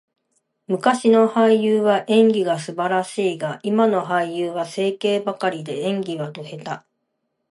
昔の俳優は演技が素晴らしいが、今の俳優は整形ばかりで、演技はド下手。